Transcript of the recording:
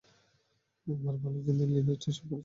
আমার ভালোর জন্যই লিনেট এসব করেছেন।